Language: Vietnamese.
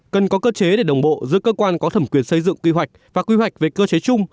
cần có cơ chế để đồng bộ giữa cơ quan có thẩm quyền xây dựng quy hoạch và quy hoạch về cơ chế chung